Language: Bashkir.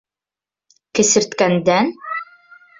— Кесерткәндән?